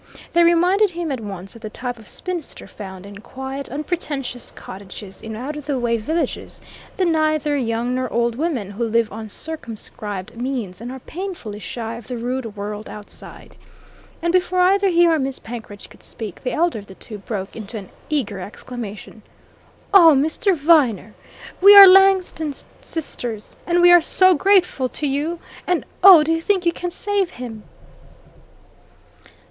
They reminded him at once of the type of spinster found in quiet, unpretentious cottages in out of the way villages the neither young nor old women, who live on circumscribed means and are painfully shy of the rude world outside. And before either he or Miss Penkridge could speak, the elder of the two broke into an eager exclamation. "Oh, Mr. Viner, we are Langton's sisters! And we are so grateful to you and oh, do you think you can save him?"